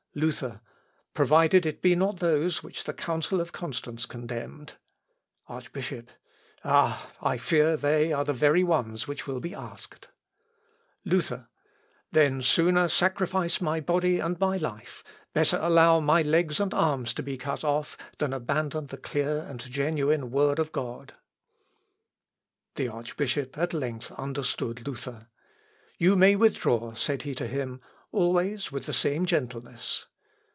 Luther. "Provided it be not those which the Council of Constance condemned." Archbishop. "Ah, I fear they are the very ones which will be asked." Luther. "Then sooner sacrifice my body and my life better allow my legs and arms to be cut off than abandon the clear and genuine word of God." Ehe Stumpf und Stiel fahren lassen .... (L. Op. (L.) xvii, p. 584.) The archbishop at length understood Luther. "You may withdraw," said he to him, always with the same gentleness.